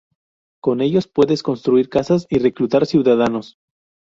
Con ellos puedes construir casas y reclutar ciudadanos.